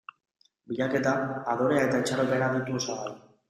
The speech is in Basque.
Bilaketa, adorea eta itxaropena ditu osagai.